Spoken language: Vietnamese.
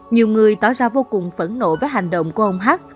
nhiều người tỏ ra vô cùng phẫn nộ với hành động của ông hát